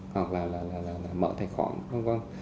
hoặc là mở tài khoản